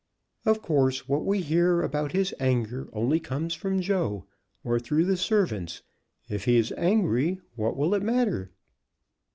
"Of course, what we hear about his anger only comes from Joe, or through the servants. If he is angry, what will it matter?"